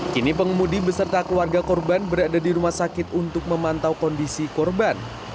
kini pengemudi beserta keluarga korban berada di rumah sakit untuk memantau kondisi korban